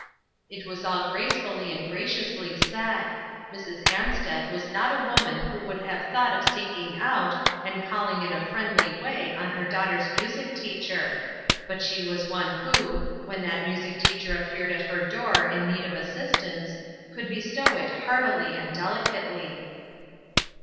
It was all gracefully and graciously said. Mrs. Ansted was not a woman who would have thought of seeking out, and calling in a friendly way on her daughter's music teacher ; but she was one who, when that music teacher appeared at her door in need of assistance, could bestow it heartity and delicately.